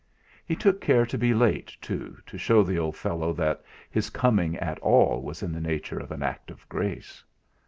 He took care to be late, too, to show the old fellow that his coming at all was in the nature of an act of grace.